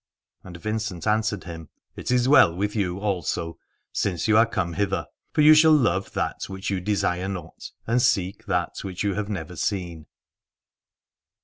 And Vincent answered him : It is well with you also, since you are come hither : for you shall love that which you desire not, and seek that which you have never seen.